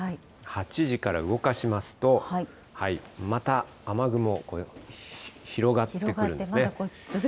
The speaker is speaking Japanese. ８時から動かしますと、また雨雲、続けて降るんですね。